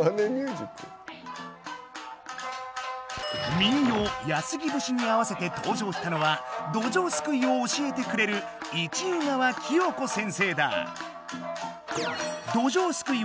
民謡「安来節」に合わせて登場したのはどじょうすくいを教えてくれる一宇川清子先生だ！